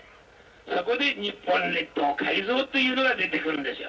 そこで日本列島改造というのが出てくるんですよ。